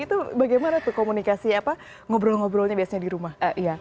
itu bagaimana tuh komunikasi apa ngobrol ngobrolnya biasanya di rumah